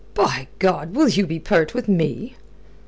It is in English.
"By God! Will you be pert with me?"